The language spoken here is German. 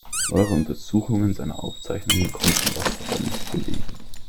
Neuere Untersuchungen seiner Aufzeichnungen konnten das aber nicht belegen.